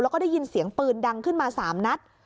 แล้วก็ได้ยินเสียงปืนดังขึ้นมา๓นัด